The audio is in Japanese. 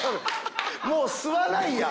もう吸わないやん！